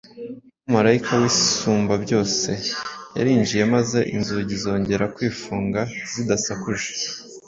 Umumarayika w’Isumbabyose yarinjiye maze inzugi zongera kwifunga zidasakuje.